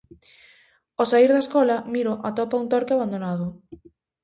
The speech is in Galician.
Ó saír da escola, Miro atopa un torque abandonado.